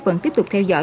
vẫn tiếp tục theo dõi